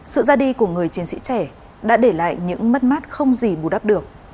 sự ra đi của người chiến sĩ trẻ đã để lại những mất mát không gì bù đắp được